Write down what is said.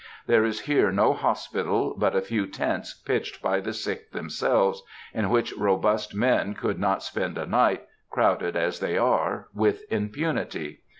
There is here no hospital but a few tents pitched by the sick themselves, in which robust men could not spend a night, crowded as they are, with impunity.